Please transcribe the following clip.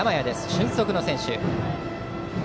俊足の選手です。